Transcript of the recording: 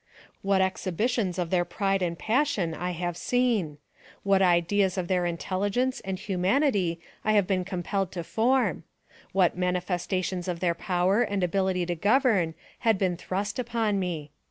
What exhibitions of their pride and passion I have seen ; what ideas of their intelligence and humanity I have been compelled to form ; what manifestations of their power and ability to govern had been thrust upon me.